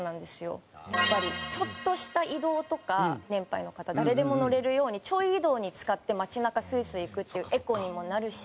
やっぱりちょっとした移動とか年配の方誰でも乗れるようにちょい移動に使って街なかスイスイ行くっていうエコにもなるし。